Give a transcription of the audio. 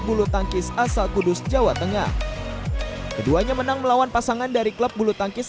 bulu tangkis asal kudus jawa tengah keduanya menang melawan pasangan dari klub bulu tangkis